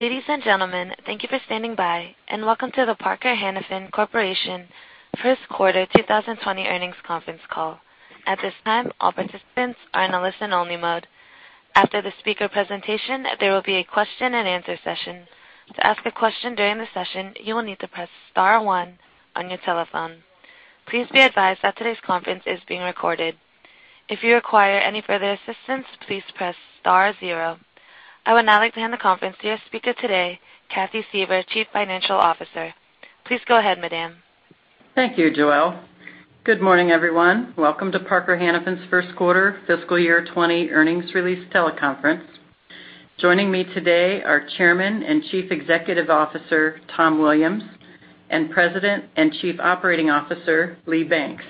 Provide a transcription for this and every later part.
Ladies and gentlemen, thank you for standing by, and welcome to the Parker-Hannifin Corporation First Quarter 2020 Earnings Conference Call. At this time, all participants are in a listen-only mode. After the speaker presentation, there will be a question and answer session. To ask a question during the session, you will need to press star one on your telephone. Please be advised that today's conference is being recorded. If you require any further assistance, please press star zero. I would now like to hand the conference to your speaker today, Cathy Suever, Chief Financial Officer. Please go ahead, madam. Thank you, Joelle. Good morning, everyone. Welcome to Parker-Hannifin's first quarter fiscal year 2020 earnings release teleconference. Joining me today are Chairman and Chief Executive Officer, Tom Williams, and President and Chief Operating Officer, Lee Banks.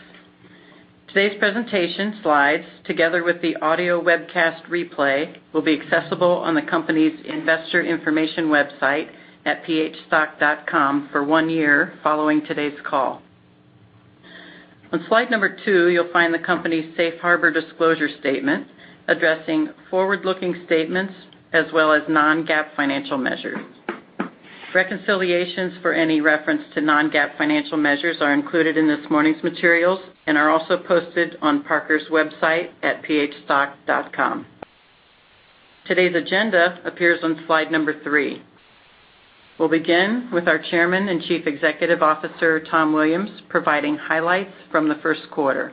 Today's presentation slides, together with the audio webcast replay, will be accessible on the company's investor information website at phstock.com for one year following today's call. On slide number two, you'll find the company's safe harbor disclosure statement addressing forward-looking statements as well as non-GAAP financial measures. Reconciliations for any reference to non-GAAP financial measures are included in this morning's materials and are also posted on Parker's website at phstock.com. Today's agenda appears on slide number three. We'll begin with our Chairman and Chief Executive Officer, Tom Williams, providing highlights from the first quarter.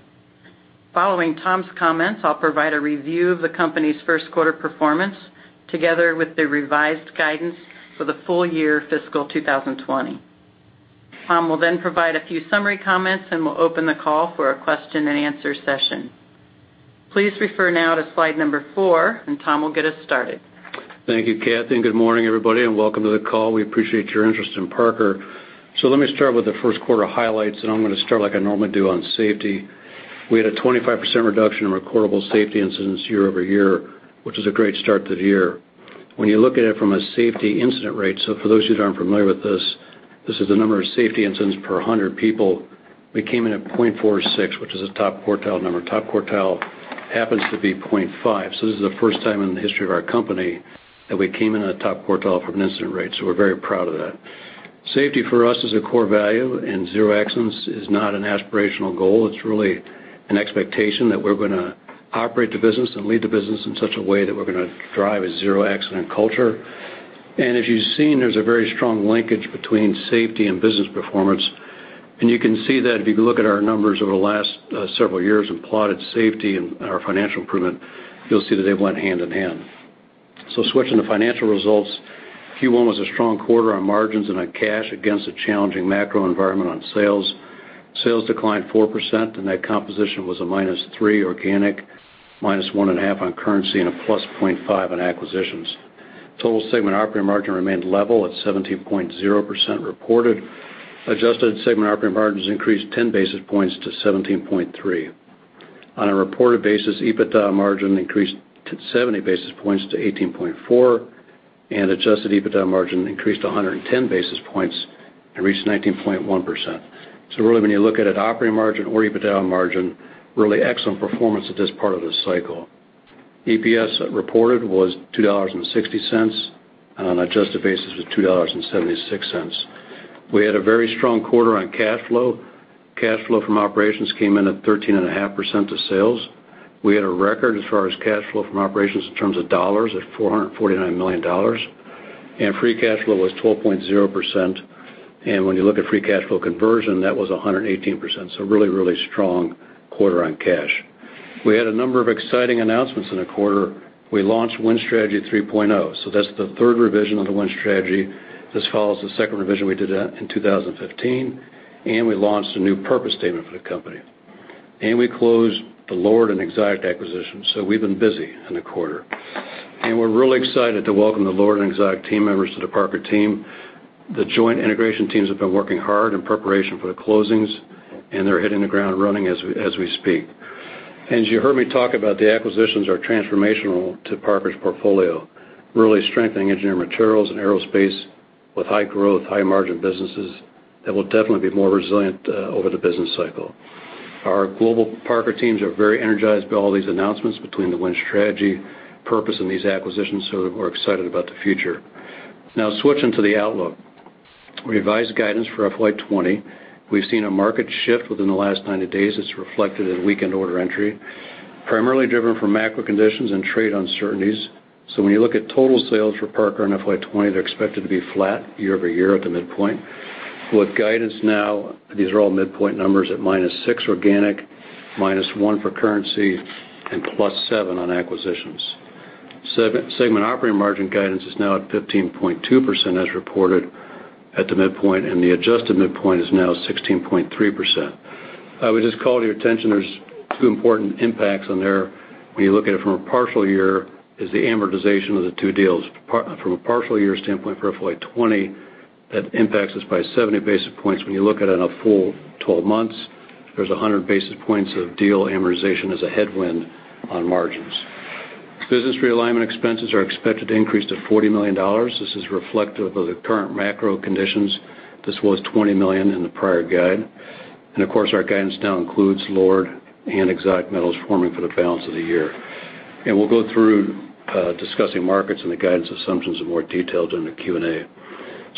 Following Tom's comments, I'll provide a review of the company's first quarter performance, together with the revised guidance for the full year fiscal 2020. Tom will then provide a few summary comments, and we'll open the call for a question and answer session. Please refer now to slide number four, and Tom will get us started. Thank you, Cathy. Good morning, everybody, welcome to the call. We appreciate your interest in Parker. Let me start with the first quarter highlights. I'm going to start like I normally do on safety. We had a 25% reduction in recordable safety incidents year-over-year, which is a great start to the year. When you look at it from a safety incident rate, for those who aren't familiar with this is the number of safety incidents per 100 people. We came in at 0.46, which is a top quartile number. Top quartile happens to be 0.5. This is the first time in the history of our company that we came in a top quartile from an incident rate. We're very proud of that. Safety for us is a core value. Zero accidents is not an aspirational goal. It's really an expectation that we're going to operate the business and lead the business in such a way that we're going to drive a zero accident culture. As you've seen, there's a very strong linkage between safety and business performance, and you can see that if you look at our numbers over the last several years and plotted safety and our financial improvement, you'll see that they went hand in hand. Switching to financial results, Q1 was a strong quarter on margins and on cash against a challenging macro environment on sales. Sales declined 4%, and that composition was a minus three organic, minus one and a half on currency, and a plus 0.5 on acquisitions. Total segment operating margin remained level at 17.0% reported. Adjusted segment operating margins increased 10 basis points to 17.3%. On a reported basis, EBITDA margin increased 70 basis points to 18.4, and adjusted EBITDA margin increased 110 basis points and reached 19.1%. Really, when you look at it, operating margin or EBITDA margin, really excellent performance at this part of the cycle. EPS reported was $2.60, and on an adjusted basis was $2.76. We had a very strong quarter on cash flow. Cash flow from operations came in at 13.5% of sales. We had a record as far as cash flow from operations in terms of dollars at $449 million, and free cash flow was 12.0%. When you look at free cash flow conversion, that was 118%, really strong quarter on cash. We had a number of exciting announcements in the quarter. We launched Win Strategy 3.0, that's the third revision of the Win Strategy. This follows the second revision we did in 2015, we launched a new purpose statement for the company. We closed the LORD and Exotic Metals acquisitions, so we've been busy in the quarter. We're really excited to welcome the LORD and Exotic Metals team members to the Parker team. The joint integration teams have been working hard in preparation for the closings, and they're hitting the ground running as we speak. As you heard me talk about, the acquisitions are transformational to Parker's portfolio, really strengthening engineering materials and aerospace with high growth, high margin businesses that will definitely be more resilient over the business cycle. Our global Parker teams are very energized by all these announcements between the Win Strategy, purpose, and these acquisitions, so we're excited about the future. Now, switching to the outlook. We revised guidance for FY 2020. We've seen a market shift within the last 90 days that's reflected in weakened order entry, primarily driven from macro conditions and trade uncertainties. When you look at total sales for Parker in FY 2020, they're expected to be flat year-over-year at the midpoint. With guidance now, these are all midpoint numbers, at -6% organic, -1% for currency, and +7% on acquisitions. Segment operating margin guidance is now at 15.2% as reported at the midpoint, and the adjusted midpoint is now 16.3%. I would just call to your attention, there's two important impacts on there when you look at it from a partial year, is the amortization of the two deals. From a partial year standpoint for FY 2020, that impacts us by 70 basis points. When you look at it in a full 12 months, there's 100 basis points of deal amortization as a headwind on margins. Business realignment expenses are expected to increase to $40 million. This is reflective of the current macro conditions. This was $20 million in the prior guide. Of course, our guidance now includes LORD and Exotic Metals Forming for the balance of the year. We'll go through discussing markets and the guidance assumptions in more detail during the Q&A.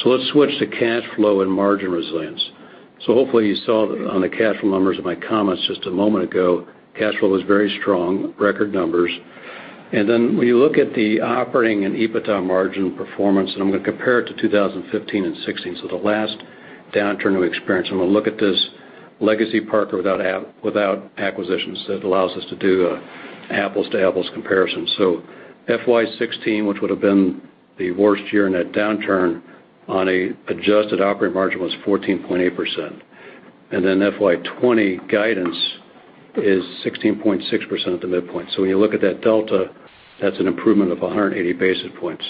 Let's switch to cash flow and margin resilience. Hopefully you saw on the cash flow numbers in my comments just a moment ago, cash flow was very strong, record numbers. When you look at the operating and EBITDA margin performance, I'm going to compare it to 2015 and 2016, so the last downturn we experienced. I'm going to look at this legacy Parker-Hannifin without acquisitions. That allows us to do an apples to apples comparison. FY 2016, which would have been the worst year in that downturn, on an adjusted operating margin, was 14.8%. Then FY 2020 guidance is 16.6% at the midpoint. When you look at that delta, that's an improvement of 180 basis points.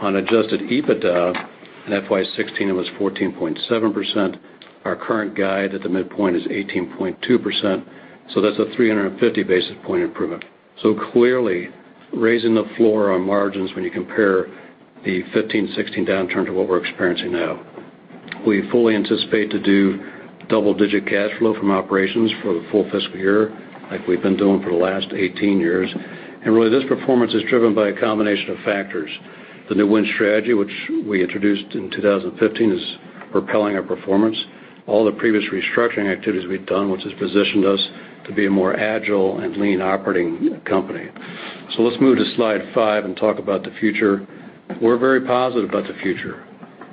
On adjusted EBITDA, in FY 2016, it was 14.7%. Our current guide at the midpoint is 18.2%, that's a 350 basis point improvement. Clearly raising the floor on margins when you compare the 2015, 2016 downturn to what we're experiencing now. We fully anticipate to do double-digit cash flow from operations for the full fiscal year, like we've been doing for the last 18 years. Really, this performance is driven by a combination of factors. The new Win Strategy, which we introduced in 2015, is propelling our performance. All the previous restructuring activities we've done, which has positioned us to be a more agile and lean operating company. Let's move to slide five and talk about the future. We're very positive about the future,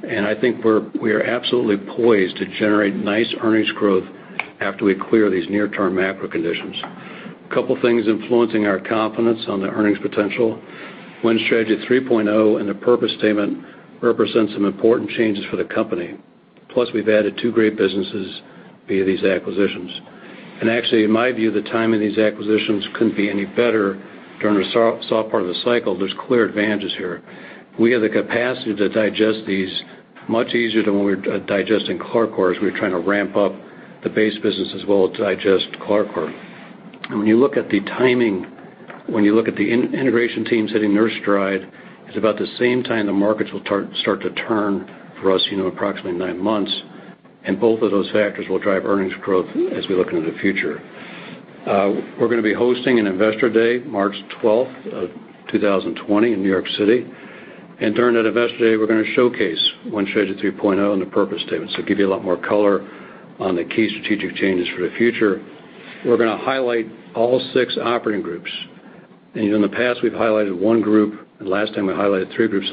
and I think we are absolutely poised to generate nice earnings growth after we clear these near-term macro conditions. A couple things influencing our confidence on the earnings potential. Win Strategy 3.0 and the purpose statement represent some important changes for the company. Plus, we've added two great businesses via these acquisitions. Actually, in my view, the timing of these acquisitions couldn't be any better. During the soft part of the cycle, there's clear advantages here. We have the capacity to digest these much easier than when we were digesting Clarcor, as we were trying to ramp up the base business as well as digest Clarcor. When you look at the timing, when you look at the integration teams hitting their stride, it's about the same time the markets will start to turn for us, approximately nine months. Both of those factors will drive earnings growth as we look into the future. We're going to be hosting an Investor Day, March 12th, 2020, in New York City. During that Investor Day, we're going to showcase Win Strategy 3.0 and the purpose statement, so give you a lot more color on the key strategic changes for the future. We're going to highlight all six operating groups. In the past, we've highlighted one group, and last time, we highlighted three groups.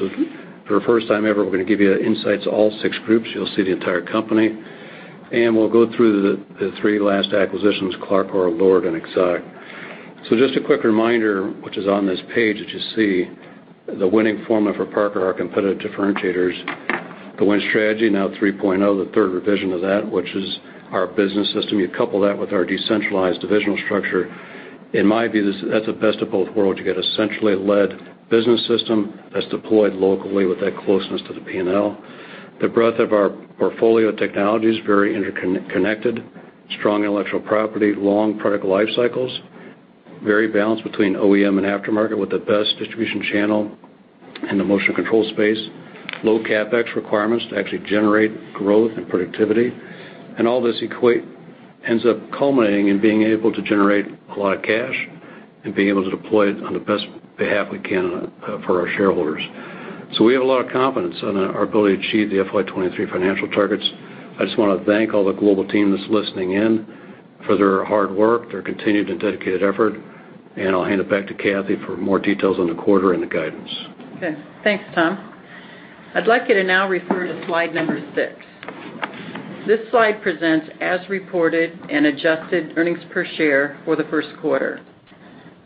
For the first time ever, we're going to give you insights to all six groups. You'll see the entire company. We'll go through the three last acquisitions, Clarcor, LORD, and Exotic. Just a quick reminder, which is on this page that you see, the winning formula for Parker, our competitive differentiators. The Win Strategy, now 3.0, the third revision of that, which is our business system. You couple that with our decentralized divisional structure. In my view, that's the best of both worlds. You get a centrally led business system that's deployed locally with that closeness to the P&L. The breadth of our portfolio technology is very interconnected. Strong intellectual property, long product life cycles. Very balanced between OEM and aftermarket, with the best distribution channel in the motion control space. Low CapEx requirements to actually generate growth and productivity. All this ends up culminating in being able to generate a lot of cash and being able to deploy it on the best behalf we can for our shareholders. We have a lot of confidence in our ability to achieve the FY 2023 financial targets. I just want to thank all the global team that's listening in for their hard work, their continued and dedicated effort, and I'll hand it back to Kathy for more details on the quarter and the guidance. Thanks, Tom. I'd like you to now refer to slide number 6. This slide presents as reported and adjusted earnings per share for the first quarter.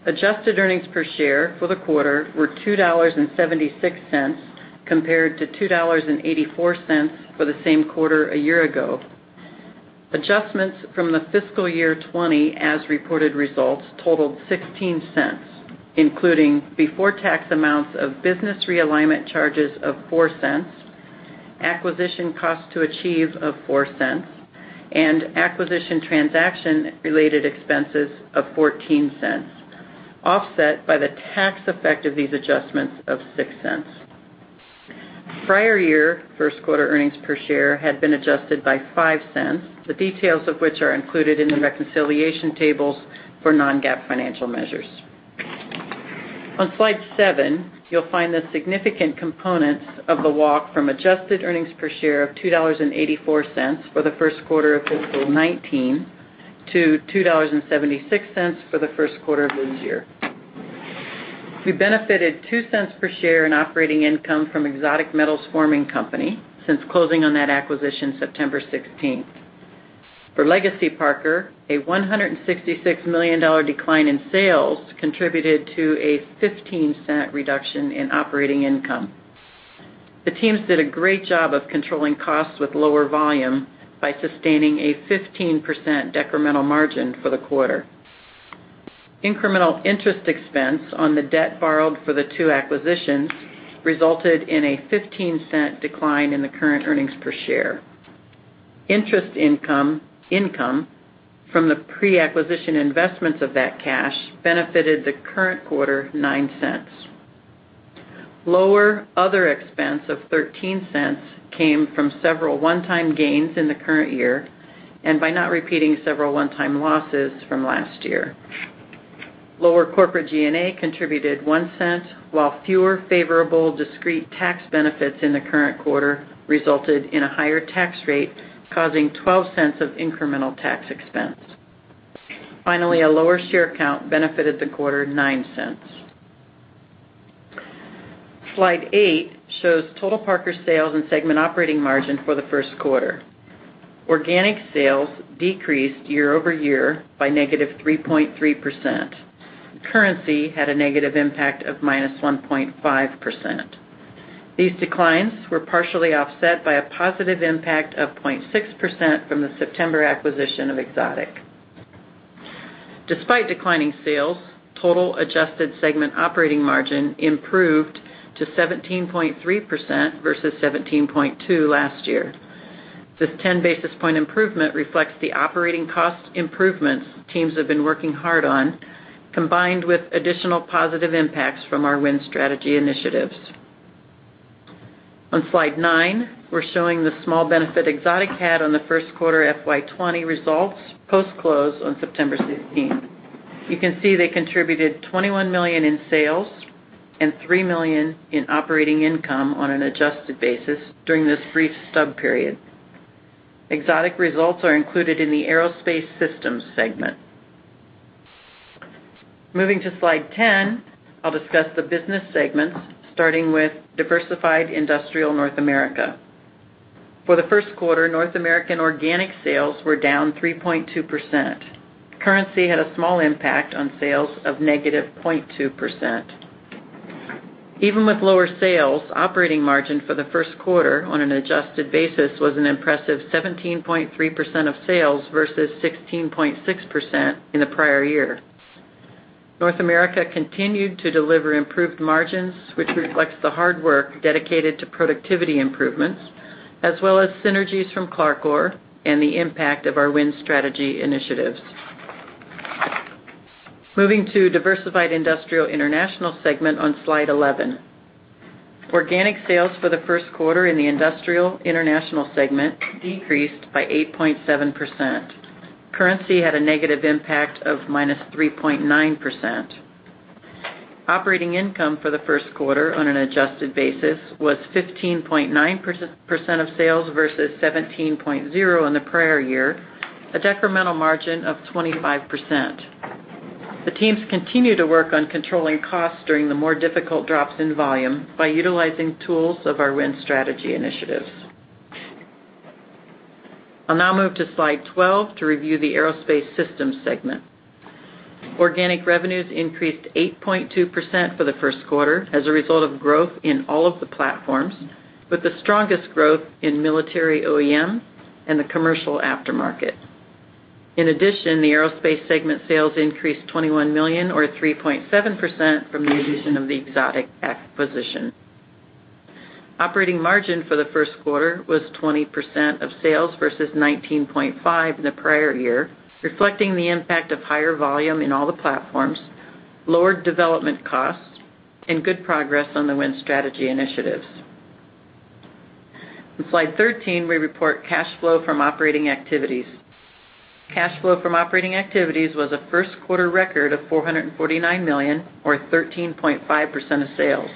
Adjusted earnings per share for the quarter were $2.76 compared to $2.84 for the same quarter a year ago. Adjustments from the fiscal year 2020 as reported results totaled $0.16, including before-tax amounts of business realignment charges of $0.04, acquisition costs to achieve of $0.04, and acquisition transaction-related expenses of $0.14, offset by the tax effect of these adjustments of $0.06. Prior year first quarter earnings per share had been adjusted by $0.05. The details of which are included in the reconciliation tables for non-GAAP financial measures. On slide seven, you'll find the significant components of the walk from adjusted earnings per share of $2.84 for the first quarter of fiscal 2019 to $2.76 for the first quarter of this year. We benefited $0.02 per share in operating income from Exotic Metals Forming Company since closing on that acquisition September 16th. For legacy Parker, a $166 million decline in sales contributed to a $0.15 reduction in operating income. The teams did a great job of controlling costs with lower volume by sustaining a 15% decremental margin for the quarter. Incremental interest expense on the debt borrowed for the two acquisitions resulted in a $0.15 decline in the current earnings per share. Interest income from the pre-acquisition investments of that cash benefited the current quarter $0.09. Lower other expense of $0.13 came from several one-time gains in the current year, and by not repeating several one-time losses from last year. Lower corporate G&A contributed $0.01, while fewer favorable discrete tax benefits in the current quarter resulted in a higher tax rate, causing $0.12 of incremental tax expense. Finally, a lower share count benefited the quarter $0.09. Slide eight shows total Parker sales and segment operating margin for the first quarter. Organic sales decreased year-over-year by -3.3%. Currency had a negative impact of -1.5%. These declines were partially offset by a positive impact of 0.6% from the September acquisition of Exotic. Despite declining sales, total adjusted segment operating margin improved to 17.3% versus 17.2% last year. This 10 basis point improvement reflects the operating cost improvements teams have been working hard on, combined with additional positive impacts from our Win Strategy initiatives. On slide nine, we're showing the small benefit Exotic had on the first quarter FY 2020 results post-close on September 16th. You can see they contributed $21 million in sales and $3 million in operating income on an adjusted basis during this brief stub period. Exotic results are included in the Aerospace Systems segment. Moving to slide 10, I'll discuss the business segments, starting with Diversified Industrial North America. For the first quarter, North American organic sales were down 3.2%. Currency had a small impact on sales of negative 0.2%. Even with lower sales, operating margin for the first quarter on an adjusted basis was an impressive 17.3% of sales versus 16.6% in the prior year. North America continued to deliver improved margins, which reflects the hard work dedicated to productivity improvements, as well as synergies from Clarcor and the impact of our Win Strategy initiatives. Moving to Diversified Industrial International segment on Slide 11. Organic sales for the first quarter in the Industrial International segment decreased by 8.7%. Currency had a negative impact of -3.9%. Operating income for the first quarter on an adjusted basis was 15.9% of sales versus 17.0% in the prior year, a decremental margin of 25%. The teams continue to work on controlling costs during the more difficult drops in volume by utilizing tools of our Win Strategy initiatives. I'll now move to Slide 12 to review the Aerospace Systems segment. Organic revenues increased 8.2% for the first quarter as a result of growth in all of the platforms, with the strongest growth in military OEM and the commercial aftermarket. In addition, the Aerospace Segment sales increased $21 million or 3.7% from the addition of the Exotic acquisition. Operating Margin for the first quarter was 20% of sales versus 19.5% in the prior year, reflecting the impact of higher volume in all the platforms, lower development costs, and good progress on the Win Strategy initiatives. On Slide 13, we report Cash Flow from Operating Activities. Cash Flow from Operating Activities was a first quarter record of $449 million or 13.5% of sales.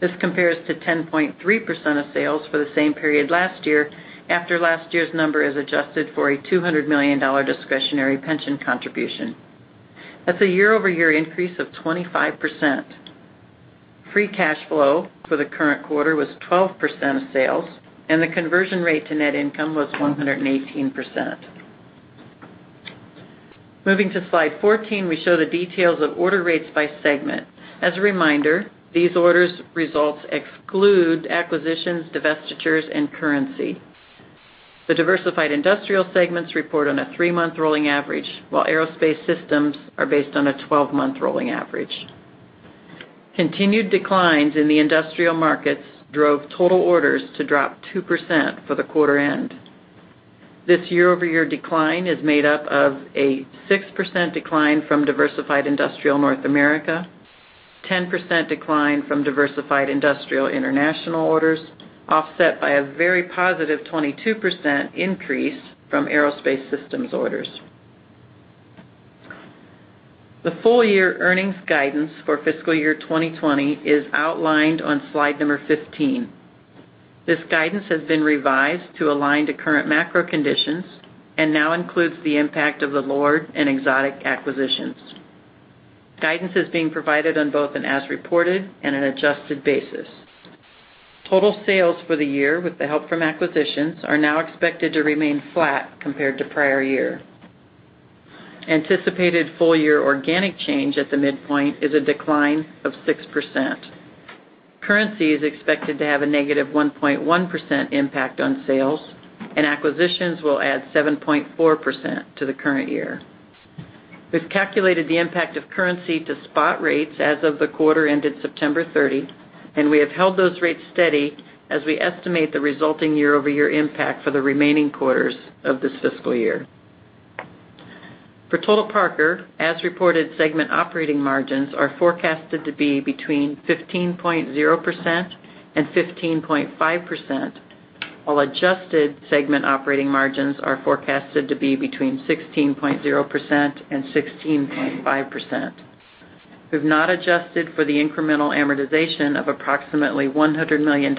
This compares to 10.3% of sales for the same period last year after last year's number is adjusted for a $200 million discretionary pension contribution. That's a year-over-year increase of 25%. Free Cash Flow for the current quarter was 12% of sales, and the conversion rate to Net Income was 118%. Moving to Slide 14, we show the details of order rates by segment. As a reminder, these orders results exclude acquisitions, divestitures, and currency. The Diversified Industrial segments report on a three-month rolling average, while Aerospace Systems are based on a 12-month rolling average. Continued declines in the industrial markets drove total orders to drop 2% for the quarter end. This year-over-year decline is made up of a 6% decline from Diversified Industrial North America, 10% decline from Diversified Industrial International orders, offset by a very positive 22% increase from Aerospace Systems orders. The full year earnings guidance for fiscal year 2020 is outlined on slide number 15. This guidance has been revised to align to current macro conditions and now includes the impact of the LORD and Exotic acquisitions. Guidance is being provided on both an as reported and an adjusted basis. Total sales for the year with the help from acquisitions are now expected to remain flat compared to prior year. Anticipated full year organic change at the midpoint is a decline of 6%. Currency is expected to have a negative 1.1% impact on sales, and acquisitions will add 7.4% to the current year. We've calculated the impact of currency to spot rates as of the quarter ended September 30, and we have held those rates steady as we estimate the resulting year-over-year impact for the remaining quarters of this fiscal year. For total Parker, as reported segment operating margins are forecasted to be between 15.0% and 15.5%, while adjusted segment operating margins are forecasted to be between 16.0% and 16.5%. We've not adjusted for the incremental amortization of approximately $100 million,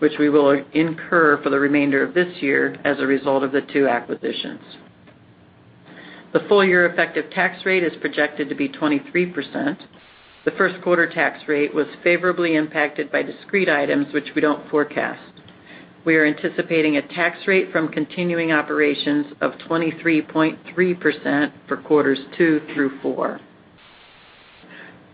which we will incur for the remainder of this year as a result of the two acquisitions. The full-year effective tax rate is projected to be 23%. The first quarter tax rate was favorably impacted by discrete items, which we don't forecast. We are anticipating a tax rate from continuing operations of 23.3% for quarters two through four.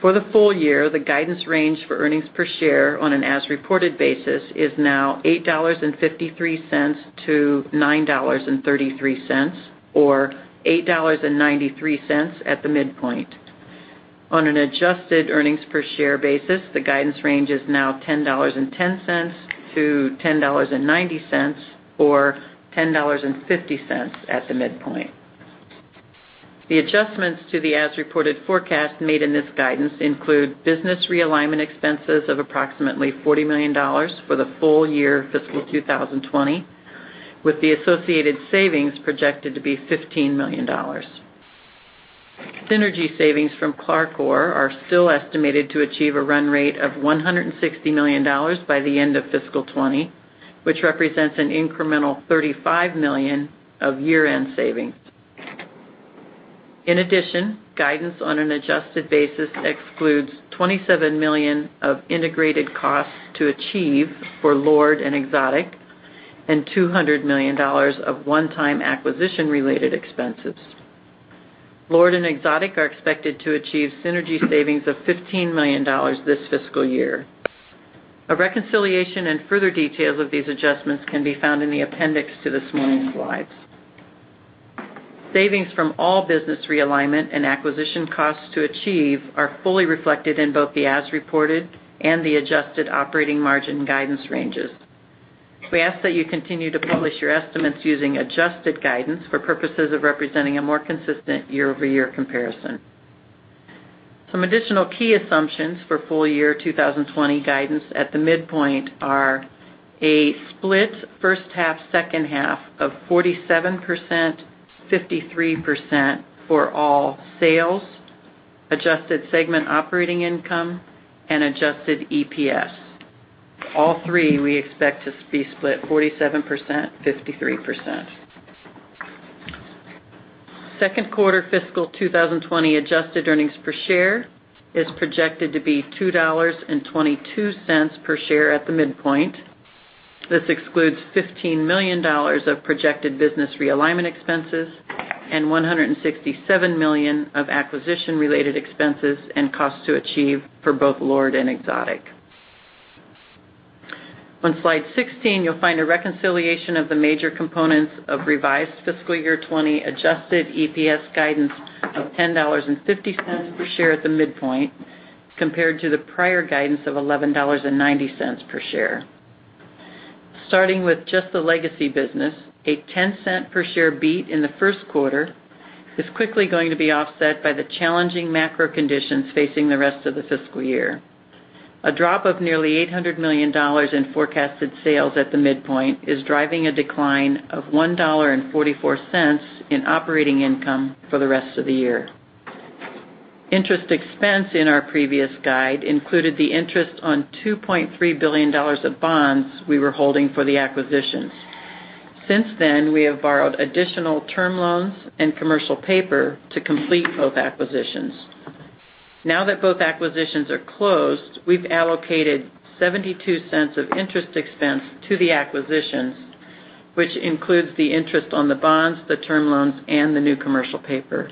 For the full year, the guidance range for earnings per share on an as-reported basis is now $8.53 to $9.33, or $8.93 at the midpoint. On an adjusted earnings per share basis, the guidance range is now $10.10 to $10.90 or $10.50 at the midpoint. The adjustments to the as-reported forecast made in this guidance include business realignment expenses of approximately $40 million for the full year fiscal 2020, with the associated savings projected to be $15 million. Synergy savings from Clarcor are still estimated to achieve a run rate of $160 million by the end of fiscal 2020, which represents an incremental $35 million of year-end savings. In addition, guidance on an adjusted basis excludes $27 million of integrated costs to achieve for LORD and Exotic and $200 million of one-time acquisition-related expenses. LORD and Exotic are expected to achieve synergy savings of $15 million this fiscal year. A reconciliation and further details of these adjustments can be found in the appendix to this morning's slides. Savings from all business realignment and acquisition costs to achieve are fully reflected in both the as-reported and the adjusted operating margin guidance ranges. We ask that you continue to publish your estimates using adjusted guidance for purposes of representing a more consistent year-over-year comparison. Some additional key assumptions for full year 2020 guidance at the midpoint are a split first half, second half of 47%, 53% for all sales, adjusted segment operating income, and adjusted EPS. All three we expect to be split 47%, 53%. Second quarter fiscal 2020 adjusted earnings per share is projected to be $2.22 per share at the midpoint. This excludes $15 million of projected business realignment expenses and $167 million of acquisition-related expenses and costs to achieve for both LORD and Exotic. On slide 16, you'll find a reconciliation of the major components of revised fiscal year 2020 adjusted EPS guidance of $10.50 per share at the midpoint compared to the prior guidance of $11.90 per share. Starting with just the legacy business, a $0.10 per share beat in the first quarter is quickly going to be offset by the challenging macro conditions facing the rest of the fiscal year. A drop of nearly $800 million in forecasted sales at the midpoint is driving a decline of $1.44 in operating income for the rest of the year. Interest expense in our previous guide included the interest on $2.3 billion of bonds we were holding for the acquisitions. Since then, we have borrowed additional term loans and commercial paper to complete both acquisitions. Now that both acquisitions are closed, we've allocated $0.72 of interest expense to the acquisitions, which includes the interest on the bonds, the term loans, and the new commercial paper,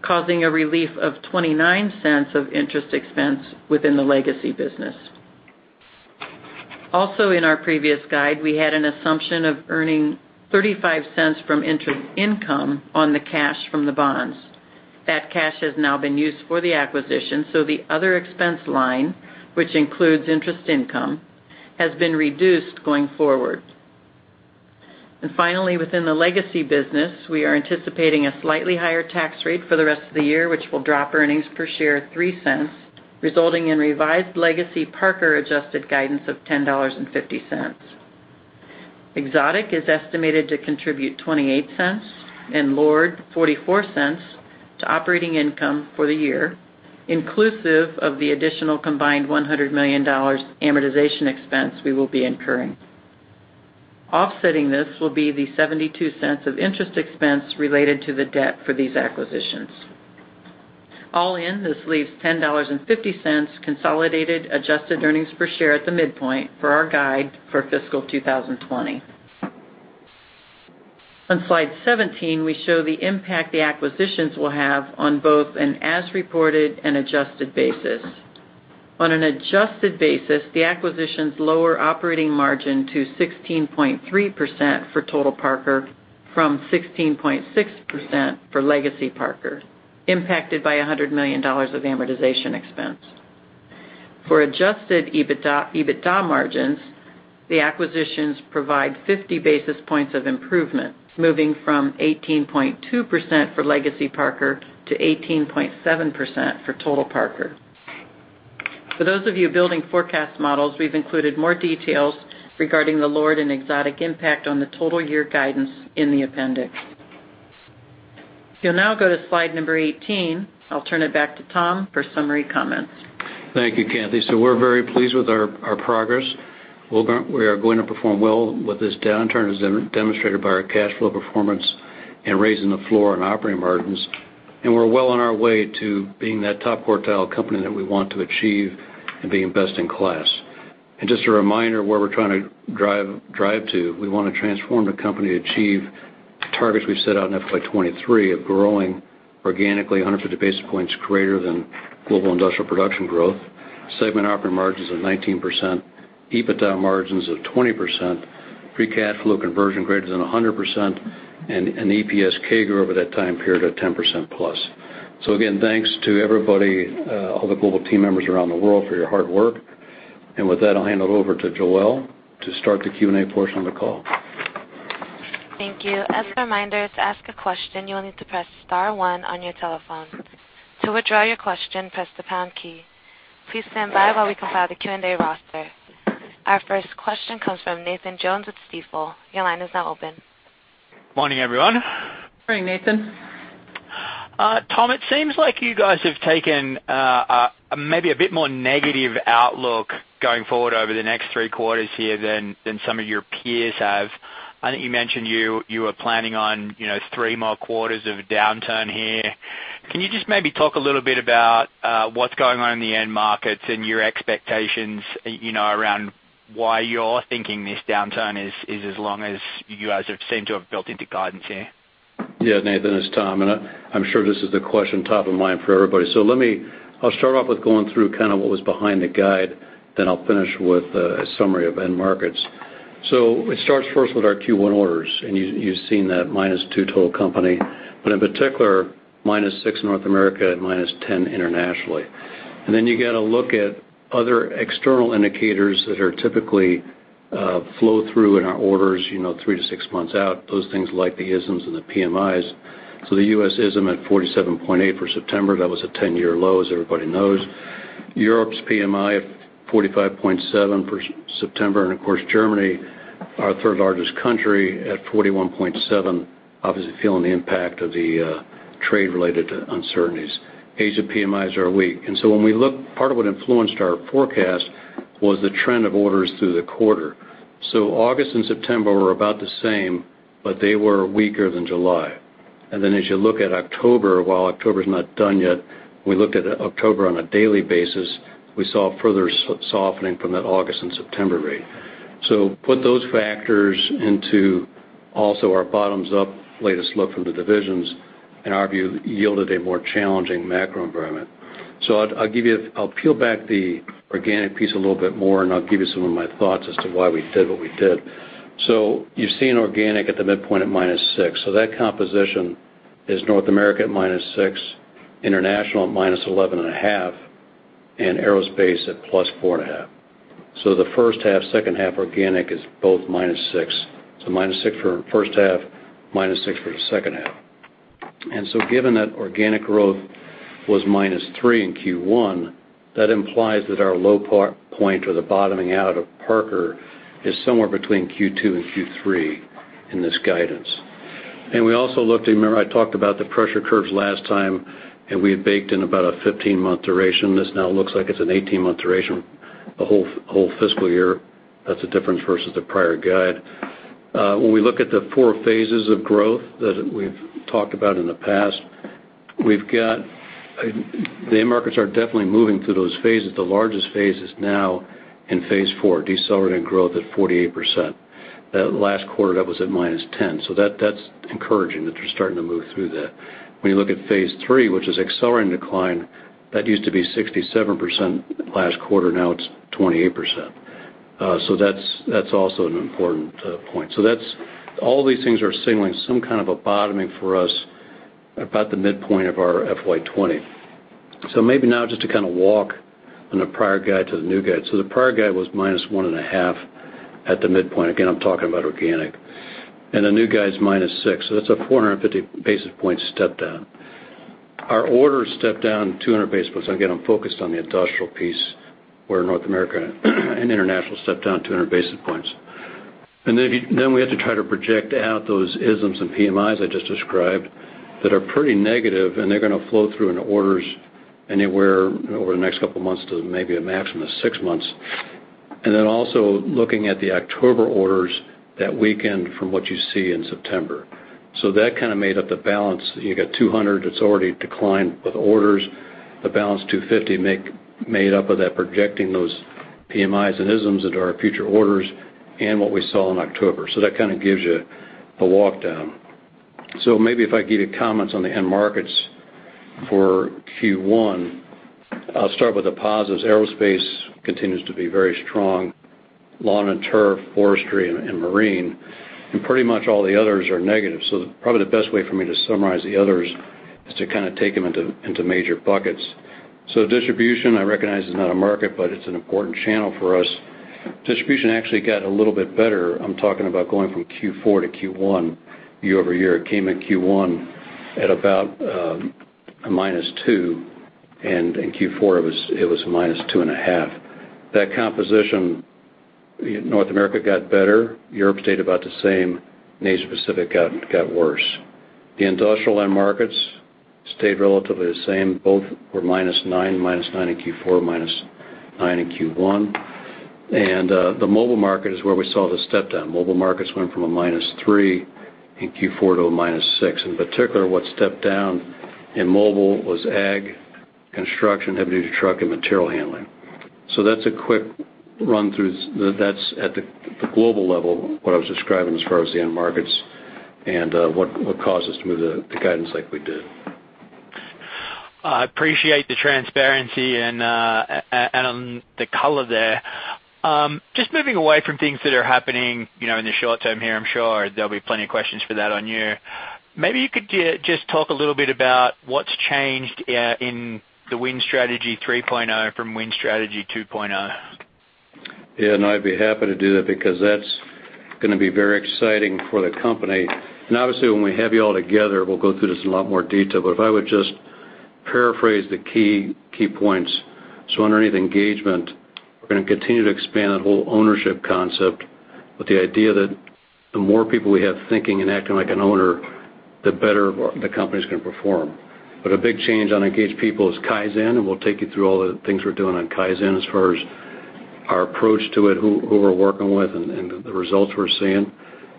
causing a relief of $0.29 of interest expense within the legacy business. Also in our previous guide, we had an assumption of earning $0.35 from interest income on the cash from the bonds. That cash has now been used for the acquisition, so the other expense line, which includes interest income, has been reduced going forward. Finally, within the legacy business, we are anticipating a slightly higher tax rate for the rest of the year, which will drop earnings per share $0.03, resulting in revised legacy Parker adjusted guidance of $10.50. Exotic is estimated to contribute $0.28 and LORD $0.44 to operating income for the year, inclusive of the additional combined $100 million amortization expense we will be incurring. Offsetting this will be the $0.72 of interest expense related to the debt for these acquisitions. All in, this leaves $10.50 consolidated adjusted earnings per share at the midpoint for our guide for fiscal 2020. On slide 17, we show the impact the acquisitions will have on both an as-reported and adjusted basis. On an adjusted basis, the acquisitions lower operating margin to 16.3% for total Parker from 16.6% for legacy Parker, impacted by $100 million of amortization expense. For adjusted EBITDA margins, the acquisitions provide 50 basis points of improvement, moving from 18.2% for legacy Parker to 18.7% for total Parker. For those of you building forecast models, we've included more details regarding the LORD and Exotic impact on the total year guidance in the appendix. If you'll now go to slide number 18, I'll turn it back to Tom for summary comments. Thank you, Kathy. We're very pleased with our progress. We are going to perform well with this downturn, as demonstrated by our cash flow performance and raising the floor on operating margins. We're well on our way to being that top quartile company that we want to achieve and being best in class. Just a reminder of where we're trying to drive to, we want to transform the company to achieve the targets we've set out in FY 2023 of growing organically 150 basis points greater than global industrial production growth, segment operating margins of 19%, EBITDA margins of 20%, free cash flow conversion greater than 100%, and EPS CAGR over that time period at 10%+. Again, thanks to everybody, all the global team members around the world for your hard work. With that, I'll hand it over to Joelle to start the Q&A portion of the call. Thank you. As a reminder, to ask a question, you will need to press *1 on your telephone. To withdraw your question, press the # key. Please stand by while we compile the Q&A roster. Our first question comes from Nathan Jones with Stifel. Your line is now open. Morning, everyone. Morning, Nathan. Tom, it seems like you guys have taken maybe a bit more negative outlook going forward over the next three quarters here than some of your peers have. I think you mentioned you were planning on three more quarters of a downturn here. Can you just maybe talk a little bit about what's going on in the end markets and your expectations, around why you're thinking this downturn is as long as you guys seem to have built into guidance here? Yeah, Nathan, it's Tom. I'm sure this is the question top of mind for everybody. I'll start off with going through what was behind the guide, then I'll finish with a summary of end markets. It starts first with our Q1 orders, and you've seen that -2 total company, but in particular, -6 North America and -10 internationally. You got to look at other external indicators that are typically flow through in our orders, 3-6 months out, those things like the ISMs and the PMIs. The U.S. ISM at 47.8 for September, that was a 10-year low, as everybody knows. Europe's PMI of 45.7 for September, and of course, Germany, our third largest country, at 41.7, obviously feeling the impact of the trade-related uncertainties. Asia PMIs are weak. Part of what influenced our forecast was the trend of orders through the quarter. August and September were about the same, but they were weaker than July. As you look at October, while October's not done yet, we looked at October on a daily basis, we saw further softening from that August and September rate. Put those factors into also our bottoms-up latest look from the divisions, in our view, yielded a more challenging macro environment. I'll peel back the organic piece a little bit more, and I'll give you some of my thoughts as to why we did what we did. You've seen organic at the midpoint at minus 6%. That composition is North America at minus 6%, International at minus 11.5%, and Aerospace at plus 4.5%. The first half, second half organic is both minus 6%. Minus 6 for first half, minus 6 for the second half. Given that organic growth was minus 3 in Q1, that implies that our low point or the bottoming out of Parker-Hannifin is somewhere between Q2 and Q3 in this guidance. We also looked, remember, I talked about the pressure curves last time, and we had baked in about a 15-month duration. This now looks like it's an 18-month duration, a whole fiscal year. That's the difference versus the prior guide. When we look at the 4 phases of growth that we've talked about in the past, the end markets are definitely moving through those phases. The largest phase is now in phase 4, decelerating growth at 48%. That last quarter, that was at -10. That's encouraging that they're starting to move through that. When you look at phase three, which is accelerating decline, that used to be 67% last quarter, now it's 28%. That's also an important point. All these things are signaling some kind of a bottoming for us about the midpoint of our FY 2020. Maybe now just to kind of walk on the prior guide to the new guide. The prior guide was minus one and a half at the midpoint. Again, I'm talking about organic. The new guide's minus six, so that's a 450 basis point step-down. Our orders stepped down 200 basis points. Again, I'm focused on the industrial piece where North America and International stepped down 200 basis points. We have to try to project out those ISMs and PMIs I just described that are pretty negative, and they're going to flow through into orders anywhere over the next couple of months to maybe a maximum of six months. Also looking at the October orders, that weakened from what you see in September. That kind of made up the balance. You got 200 that's already declined with orders. The balance 250 made up of that, projecting those PMIs and ISMs into our future orders and what we saw in October. That kind of gives you a walk down. Maybe if I give you comments on the end markets for Q1, I'll start with the positives. Aerospace continues to be very strong. Lawn and turf, forestry, and marine, and pretty much all the others are negative. Probably the best way for me to summarize the others is to take them into major buckets. Distribution, I recognize, is not a market, but it's an important channel for us. Distribution actually got a little bit better. I'm talking about going from Q4 to Q1 year-over-year. It came in Q1 at about a -2, and in Q4 it was -2.5. That composition in North America got better. Europe stayed about the same. Asia Pacific got worse. The industrial end markets stayed relatively the same. Both were -9 in Q4, -9 in Q1. The mobile market is where we saw the step-down. Mobile markets went from a -3 in Q4 to a -6. In particular, what stepped down in mobile was ag, construction, heavy-duty truck, and material handling. That's a quick run through. That's at the global level, what I was describing as far as the end markets and what caused us to move the guidance like we did. I appreciate the transparency and the color there. Just moving away from things that are happening in the short term here, I'm sure there'll be plenty of questions for that on you. Maybe you could just talk a little bit about what's changed in the Win Strategy 3.0 from Win Strategy 2.0. Yeah, I'd be happy to do that because that's going to be very exciting for the company. Obviously, when we have you all together, we'll go through this in a lot more detail. If I would just paraphrase the key points. Underneath engagement, we're going to continue to expand that whole ownership concept with the idea that the more people we have thinking and acting like an owner, the better the company's going to perform. A big change on engaged people is Kaizen, and we'll take you through all the things we're doing on Kaizen as far as our approach to it, who we're working with, and the results we're seeing.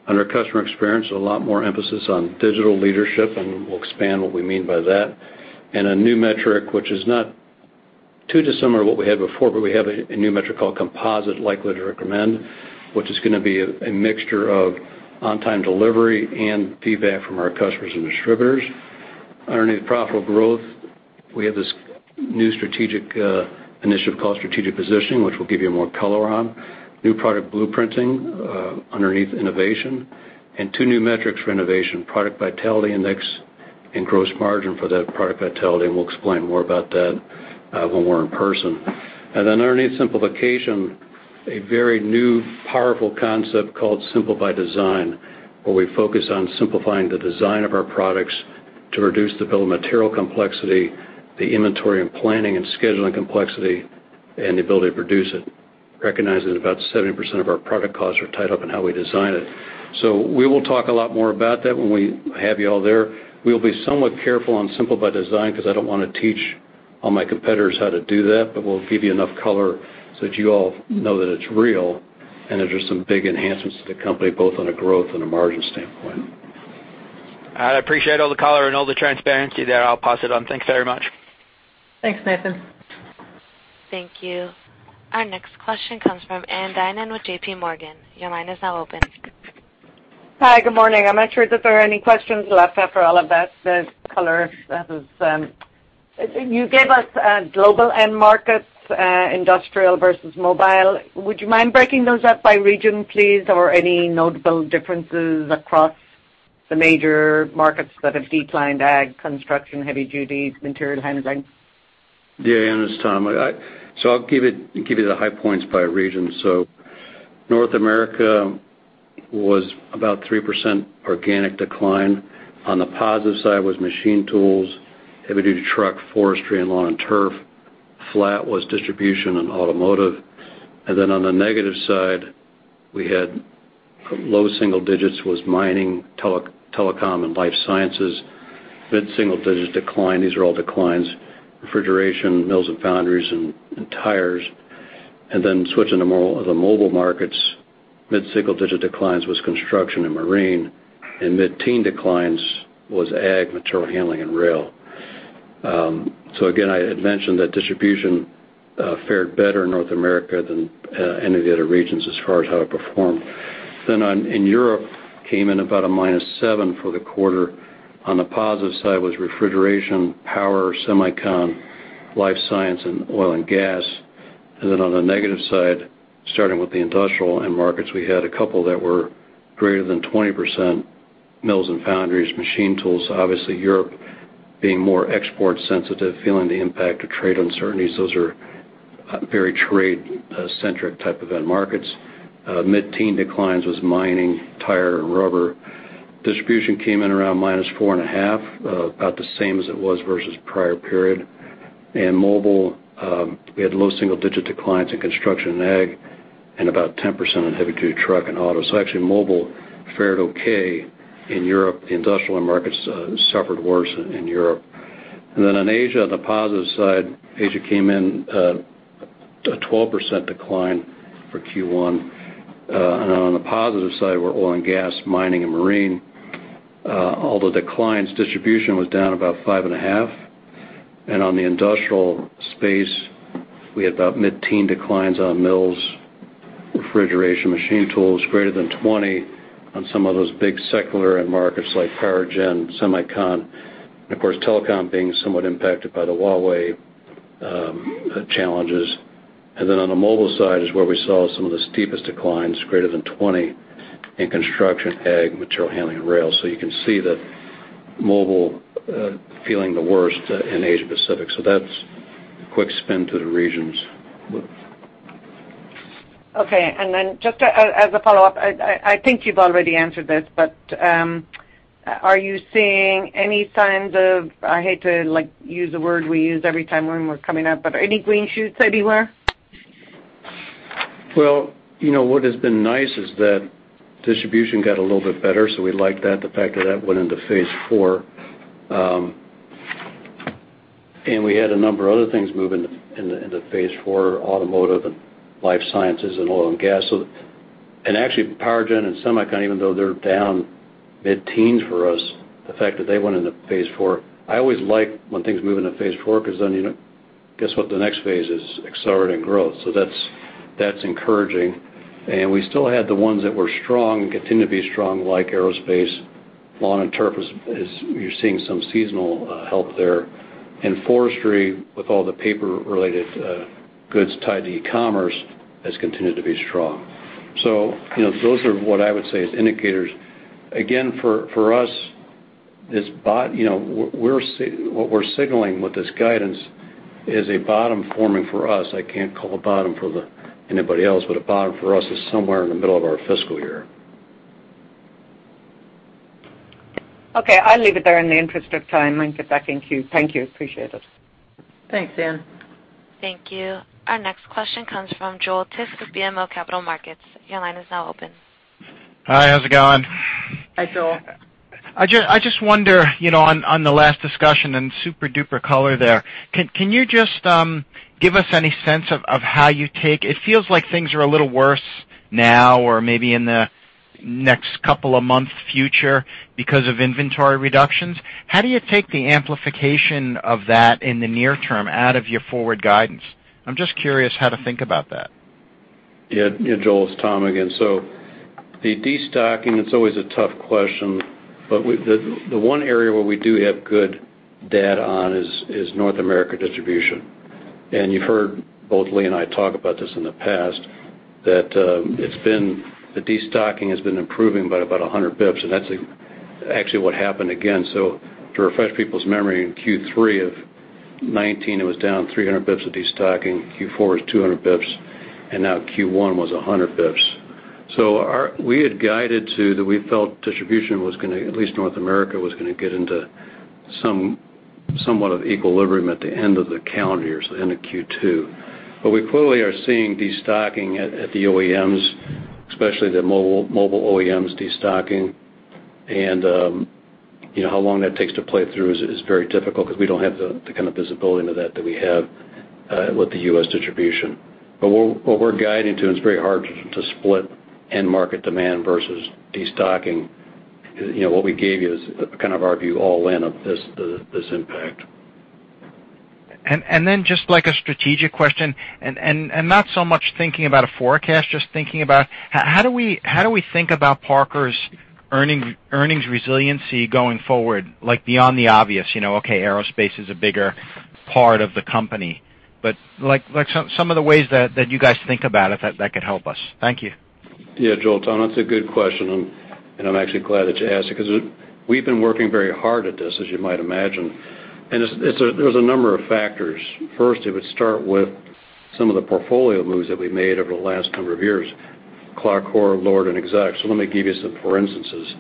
Under customer experience, a lot more emphasis on digital leadership, and we'll expand what we mean by that. A new metric, which is not too dissimilar to what we had before, but we have a new metric called composite likely to recommend, which is going to be a mixture of on-time delivery and feedback from our customers and distributors. Underneath profitable growth, we have this new strategic initiative called Strategic Positioning, which we'll give you more color on. New Product Blueprinting underneath innovation, two new metrics for innovation, Product Vitality Index and gross margin for that product vitality, and we'll explain more about that when we're in person. Underneath simplification, a very new, powerful concept called Simple by Design, where we focus on simplifying the design of our products to reduce the bill of material complexity, the inventory and planning and scheduling complexity, and the ability to produce it. Recognizing that about 70% of our product costs are tied up in how we design it. We will talk a lot more about that when we have you all there. We'll be somewhat careful on Simple by Design because I don't want to teach all my competitors how to do that, but we'll give you enough color so that you all know that it's real and that there's some big enhancements to the company, both on a growth and a margin standpoint. All right. I appreciate all the color and all the transparency there. I'll pass it on. Thank you very much. Thanks, Nathan. Thank you. Our next question comes from Ann Duignan with JPMorgan Chase. Your line is now open. Hi, good morning. I'm not sure that there are any questions left after all of that, the color. You gave us global end markets, industrial versus mobile. Would you mind breaking those up by region, please, or any notable differences across the major markets that have declined ag, construction, heavy duty, material handling? Yeah, Ann, it's Tom. I'll give you the high points by region. North America was about 3% organic decline. On the positive side was machine tools, heavy-duty truck, forestry, and lawn and turf. Flat was distribution and automotive. On the negative side, we had low single digits was mining, telecom, and life sciences. Mid-single digits decline, these are all declines, refrigeration, mills and foundries, and tires. Switching to the mobile markets, mid-single digit declines was construction and marine, and mid-teen declines was ag, material handling, and rail. Again, I had mentioned that distribution fared better in North America than any of the other regions as far as how it performed. In Europe, came in about a -7% for the quarter. On the positive side was refrigeration, power, semicon, life sciences, and oil and gas. On the negative side, starting with the industrial end markets, we had a couple that were greater than 20%. Mills and foundries, machine tools, obviously Europe being more export sensitive, feeling the impact of trade uncertainties. Those are very trade-centric type of end markets. Mid-teen declines was mining, tire, and rubber. Distribution came in around -4.5%, about the same as it was versus prior period. Mobile, we had low single-digit declines in construction and ag, and about 10% in heavy-duty truck and auto. Actually, mobile fared okay in Europe. The industrial end markets suffered worse in Europe. In Asia, on the positive side, Asia came in a 12% decline for Q1. On the positive side were oil and gas, mining, and marine. All the declines, distribution was down about 5.5%. On the industrial space, we had about mid-teen declines on mills, refrigeration, machine tools, greater than 20 on some of those big secular end markets like power gen, semicon, and of course, telecom being somewhat impacted by the Huawei challenges. Then on the mobile side is where we saw some of the steepest declines, greater than 20 in construction, ag, material handling, and rail. You can see that mobile feeling the worst in Asia Pacific. That's a quick spin to the regions. Just as a follow-up, I think you've already answered this, but are you seeing any signs of, I hate to use the word we use every time when we're coming up, but any green shoots anywhere? What has been nice is that distribution got a little bit better, so we like that, the fact that that went into phase 4. We had a number of other things move into phase 4, automotive and life sciences and oil and gas. Actually, power gen and semiconductor, even though they're down mid-teens for us, the fact that they went into phase 4. I always like when things move into phase 4, because then you know, guess what the next phase is? Accelerating growth. That's encouraging. We still had the ones that were strong and continue to be strong, like Aerospace. Lawn and turf is, you're seeing some seasonal help there. Forestry, with all the paper-related goods tied to e-commerce, has continued to be strong. Those are what I would say is indicators. For us, what we're signaling with this guidance is a bottom forming for us. I can't call a bottom for anybody else, but a bottom for us is somewhere in the middle of our fiscal year. Okay, I'll leave it there in the interest of time and get back in queue. Thank you, appreciate it. Thanks, Anne. Thank you. Our next question comes from Joel Tiss of BMO Capital Markets. Your line is now open. Hi, how's it going? Hi, Joel. I just wonder, on the last discussion and super-duper color there, can you just give us any sense of how you take, it feels like things are a little worse now or maybe in the next couple of month future because of inventory reductions. How do you take the amplification of that in the near term out of your forward guidance? I'm just curious how to think about that. Joel, it's Tom again. The destocking, it's always a tough question, but the one area where we do have good data on is North America distribution. You've heard both Lee and I talk about this in the past, that the destocking has been improving by about 100 basis points, and that's actually what happened again. To refresh people's memory, in Q3 of 2019, it was down 300 basis points of destocking. Q4 was 200 basis points, and now Q1 was 100 basis points. We had guided to that we felt distribution was going to, at least North America, was going to get into somewhat of equilibrium at the end of the calendar year, so the end of Q2. We clearly are seeing destocking at the OEMs, especially the mobile OEMs destocking. How long that takes to play through is very difficult because we don't have the kind of visibility into that that we have with the U.S. distribution. What we're guiding to, and it's very hard to split end market demand versus destocking. What we gave you is kind of our view all in of this impact. Just like a strategic question and not so much thinking about a forecast, just thinking about how do we think about Parker-Hannifin's earnings resiliency going forward, like beyond the obvious, okay, aerospace is a bigger part of the company. Some of the ways that you guys think about it, that could help us. Thank you. Yeah, Joel, Tom, that's a good question, and I'm actually glad that you asked it because we've been working very hard at this, as you might imagine. There's a number of factors. First, it would start with some of the portfolio moves that we've made over the last number of years, Clarcor, LORD, and Exotic. Let me give you some for instances.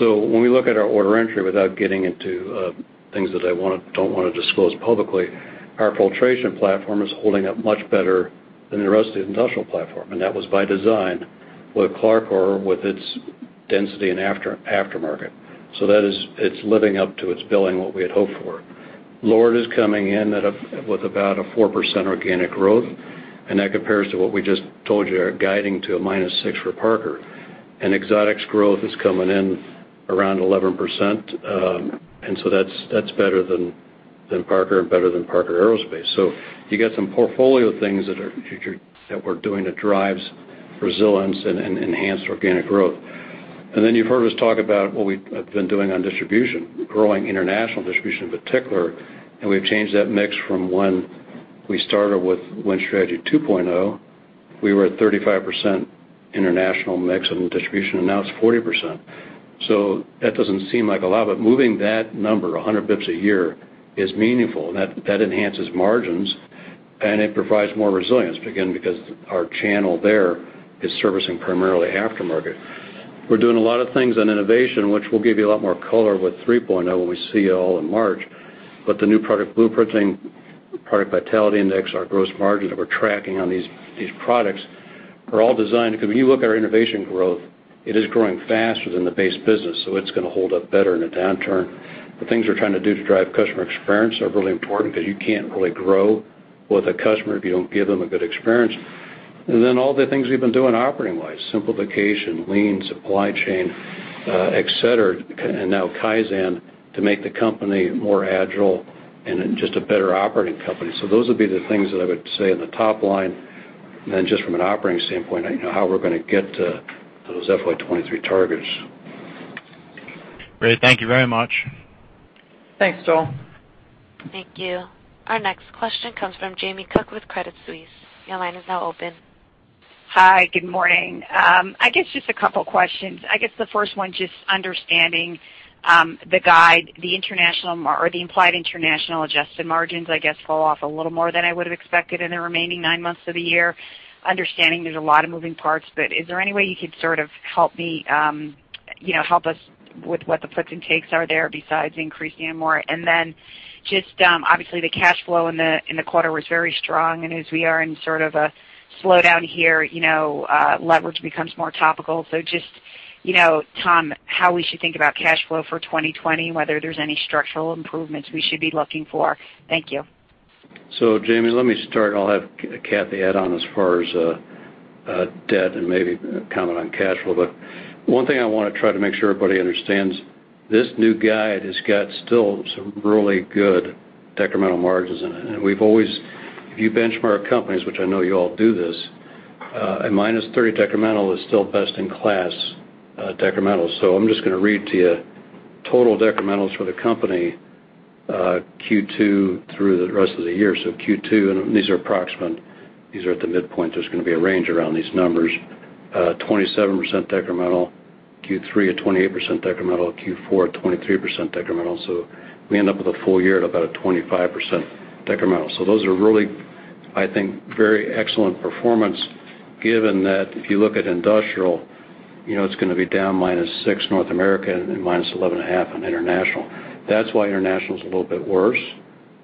When we look at our order entry, without getting into things that I don't want to disclose publicly, our filtration platform is holding up much better than the rest of the industrial platform, and that was by design with Clarcor, with its density and aftermarket. It's living up to its billing, what we had hoped for. LORD is coming in with about a 4% organic growth, and that compares to what we just told you, guiding to a minus 6 for Parker. Exotic's growth is coming in around 11%, that's better than Parker and better than Parker Aerospace. You get some portfolio things that we're doing that drives resilience and enhanced organic growth. You've heard us talk about what we have been doing on distribution, growing international distribution in particular, we've changed that mix from when we started with Win Strategy 2.0. We were at 35% international mix on the distribution, now it's 40%. That doesn't seem like a lot, moving that number 100 basis points a year is meaningful, that enhances margins, it provides more resilience, again, because our channel there is servicing primarily aftermarket. We're doing a lot of things on innovation, which we'll give you a lot more color with 3.0 when we see you all in March. The new Product Blueprinting, Product Vitality Index, our gross margin that we're tracking on these products are all designed because when you look at our innovation growth, it is growing faster than the base business, so it's going to hold up better in a downturn. The things we're trying to do to drive customer experience are really important because you can't really grow with a customer if you don't give them a good experience. Then all the things we've been doing operating-wise, simplification, lean supply chain, et cetera, and now Kaizen to make the company more agile and just a better operating company. Those would be the things that I would say in the top line, and then just from an operating standpoint, how we're going to get to those FY 2023 targets. Great. Thank you very much. Thanks, Joelle. Thank you. Our next question comes from Jamie Cook with Credit Suisse. Your line is now open. Hi. Good morning. I guess just a couple questions. I guess the first one, just understanding the guide, the implied international adjusted margins, I guess fall off a little more than I would've expected in the remaining nine months of the year. Understanding there's a lot of moving parts, is there any way you could sort of help us with what the puts and takes are there besides increasing M&A? Just, obviously, the cash flow in the quarter was very strong, and as we are in sort of a slowdown here, leverage becomes more topical. Just, Tom, how we should think about cash flow for 2020, whether there's any structural improvements we should be looking for. Thank you. Jamie, let me start. I'll have Cathy add on as far as debt and maybe comment on cash flow. One thing I want to try to make sure everybody understands, this new guide has got still some really good decremental margins in it. If you benchmark companies, which I know you all do this, a -30 decremental is still best in class decremental. I'm just going to read to you total decrementals for the company, Q2 through the rest of the year. Q2, and these are approximate. These are at the midpoint. There's going to be a range around these numbers. 27% decremental. Q3, a 28% decremental. Q4, a 23% decremental. We end up with a full year at about a 25% decremental. Those are really, I think, very excellent performance given that if you look at industrial, it's going to be down -6% North America and -11.5% on International. That's why International's a little bit worse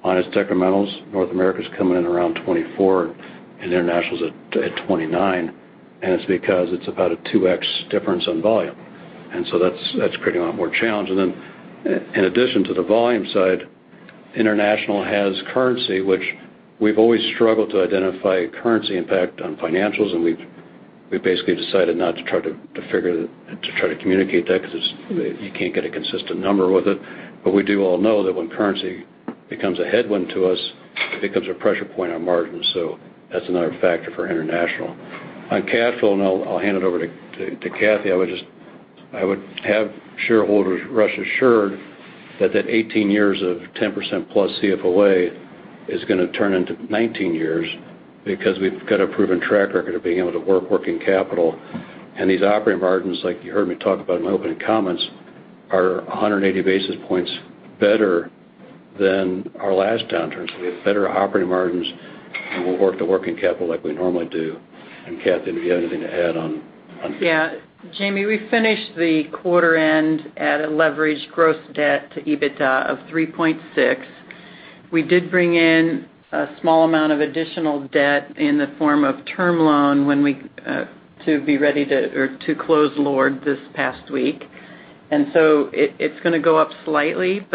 on its decrementals. North America's coming in around 24%, and International's at 29%, and it's because it's about a 2x difference on volume, that's creating a lot more challenge. Then in addition to the volume side, International has currency, which we've always struggled to identify currency impact on financials, and we've basically decided not to try to communicate that because you can't get a consistent number with it. We do all know that when currency becomes a headwind to us, it becomes a pressure point on margins. That's another factor for International. On cash flow, and I'll hand it over to Cathy, I would have shareholders rest assured that that 18 years of 10% plus CFOA is going to turn into 19 years because we've got a proven track record of being able to work working capital. These operating margins, like you heard me talk about in my opening comments, are 180 basis points better than our last downturn. We have better operating margins, and we'll work the working capital like we normally do. Cathy, do you have anything to add on this? Jamie, we finished the quarter end at a leverage gross debt to EBITDA of 3.6. We did bring in a small amount of additional debt in the form of term loan to close LORD this past week. It's going to go up slightly.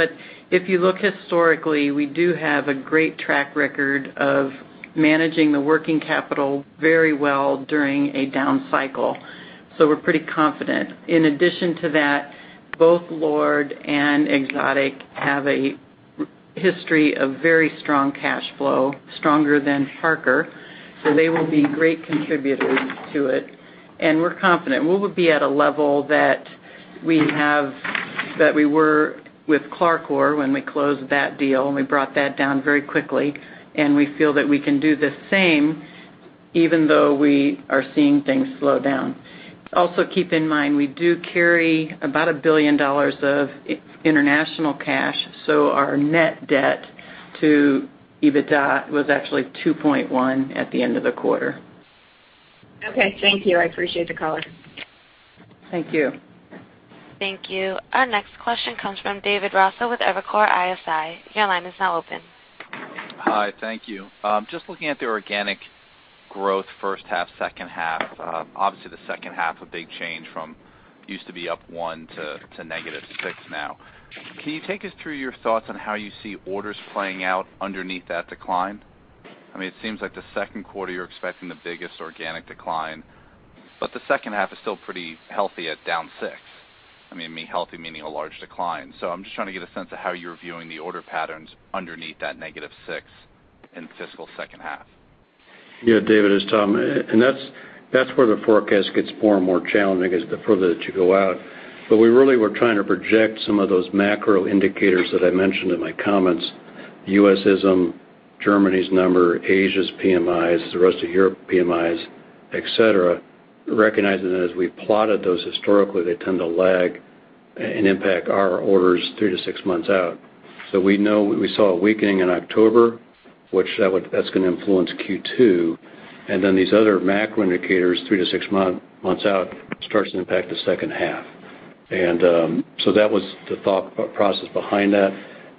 If you look historically, we do have a great track record of managing the working capital very well during a down cycle. We're pretty confident. In addition to that, both LORD and Exotic have a history of very strong cash flow, stronger than Parker, so they will be great contributors to it, and we're confident. We will be at a level that we were with Clarcor when we closed that deal, and we brought that down very quickly, and we feel that we can do the same even though we are seeing things slow down. Keep in mind, we do carry about $1 billion of international cash. Our net debt to EBITDA was actually 2.1 at the end of the quarter. Okay, thank you. I appreciate the color. Thank you. Thank you. Our next question comes from David Raso with Evercore ISI. Your line is now open. Hi. Thank you. Just looking at the organic growth first half, second half. Obviously the second half, a big change from used to be up one to negative six now. Can you take us through your thoughts on how you see orders playing out underneath that decline? It seems like the second quarter, you're expecting the biggest organic decline, but the second half is still pretty healthy at down six. Healthy meaning a large decline. I'm just trying to get a sense of how you're viewing the order patterns underneath that negative six in fiscal second half. Yeah, David, it's Tom. That's where the forecast gets more and more challenging, is the further that you go out. We really were trying to project some of those macro indicators that I mentioned in my comments, the U.S. ISM, Germany's number, Asia's PMIs, the rest of Europe PMIs, et cetera, recognizing that as we plotted those historically, they tend to lag and impact our orders three to six months out. We know we saw a weakening in October, which that's going to influence Q2, and then these other macro indicators three to six months out starts to impact the second half. That was the thought process behind that,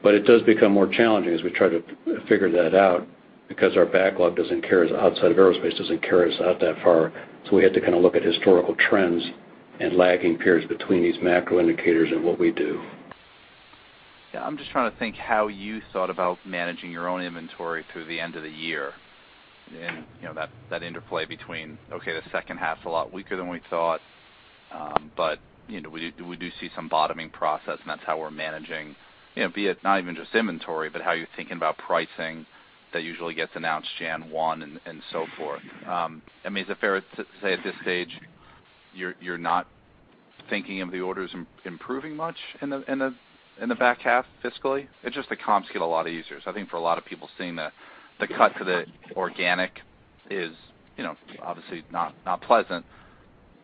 but it does become more challenging as we try to figure that out because our backlog outside of Aerospace doesn't carry us out that far. We had to kind of look at historical trends and lagging periods between these macro indicators and what we do. Yeah, I'm just trying to think how you thought about managing your own inventory through the end of the year, and that interplay between, okay, the second half's a lot weaker than we thought, but we do see some bottoming process and that's how we're managing, be it not even just inventory, but how you're thinking about pricing. That usually gets announced Jan one and so forth. Is it fair to say at this stage, you're not thinking of the orders improving much in the back half fiscally? It's just the comps get a lot easier. I think for a lot of people seeing the cut to the organic is, obviously not pleasant.